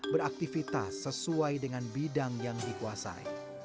beraktivitas sesuai dengan bidang yang dikuasai